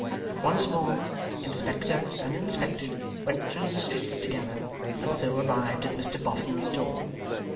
Once more, Inspector and Inspected went through the streets together, and so arrived at Mr Boffin's door.